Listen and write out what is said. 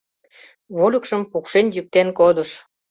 Вольыкшым пукшен-йӱктен кодыш.